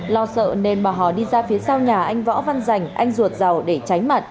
lo sợ nên bà hò đi ra phía sau nhà anh võ văn giành anh ruột giàu để tránh